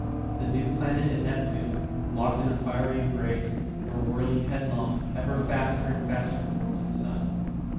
The new planet and Neptune, locked in a fiery embrace, were whirling headlong, ever faster and faster towards the sun.